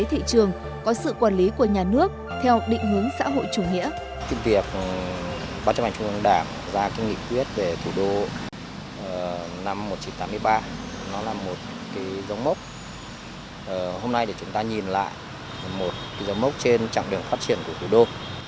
hôm nay chúng ta nhìn lại một dấu mốc trên trạng đường phát triển của thủ đô